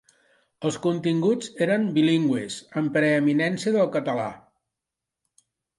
Els continguts eren bilingües, amb preeminència del català.